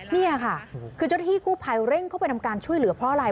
นี่ค่ะคือเจ้าที่กู้ภัยเร่งเข้าไปทำการช่วยเหลือเพราะอะไร